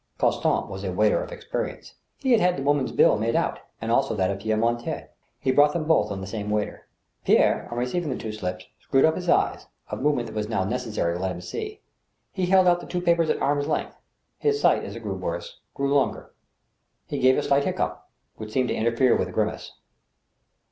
Constant was a waiter of experience. He had had the women's bill made out, and also that of Pierre Mortier. He brought them both on the same waiter. Pierre, on receiving the two slips, screwed up his eyes, a move ment that was now necessary to let him see. He held out the two papers at arm's length. His sight, as it g^ew worse, grew longer. He gave a slight hiccough, which seemed to interfere with a grimace.